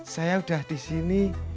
saya udah di sini